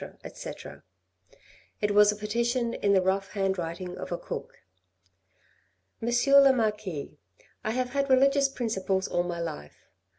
etc." It was a petition in the rough hand writing of a cook. " Monsieur le Marquis, I have had religious principles all my life.